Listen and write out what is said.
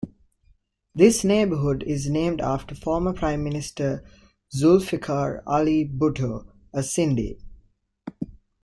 This neighbourhood is named after former Prime Minister Zulfikar Ali Bhutto, a Sindhi.